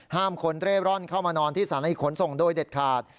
ห้ามคนเร่ร่อนเข้ามานอนที่สถานีขนส่งโดยเด็ดขาด